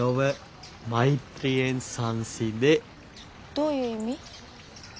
どういう意味？